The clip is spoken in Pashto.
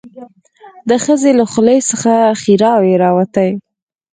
د ښځې له خولې څخه ښيراوې راووتې.